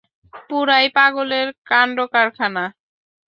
পুরাই পাগলের কান্ডকারখানা।